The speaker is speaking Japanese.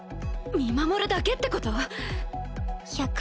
見守るだけってこと？